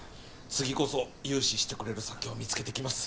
次こそ融資してくれる先を見つけてきます